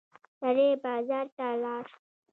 سړی بازار ته لاړ.